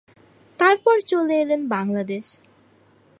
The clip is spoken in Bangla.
তারপর চলে এলেন বাংলাদেশে।